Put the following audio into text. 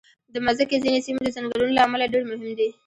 د مځکې ځینې سیمې د ځنګلونو له امله ډېر مهم دي.